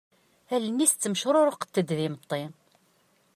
Allen-is ttecruruqent-d d imeṭṭi.